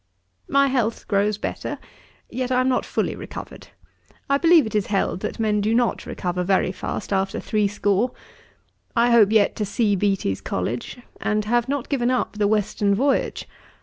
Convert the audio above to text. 'My health grows better, yet I am not fully recovered. I believe it is held, that men do not recover very fast after threescore. I hope yet to see Beattie's College: and have not given up the western voyage.